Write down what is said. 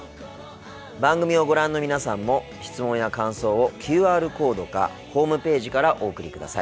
番組をご覧の皆さんも質問や感想をＱＲコードかホームページからお送りください。